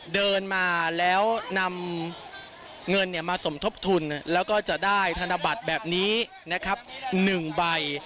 เดินมาแล้วนำเงินมาสมทบทุนแล้วก็จะได้ธนบัตรแบบนี้นะครับ๑ใบ